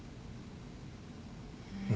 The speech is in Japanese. うん。